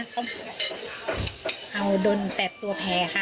เขาโดนแตดตัวแพร่ค่ะ